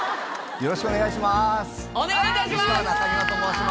よろしくお願いします。